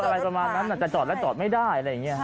อะไรประมาณนั้นอาจจะจอดแล้วจอดไม่ได้อะไรอย่างนี้ฮะ